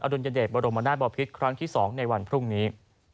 ดุลยเดชบรมนาศบอพิษครั้งที่๒ในวันพรุ่งนี้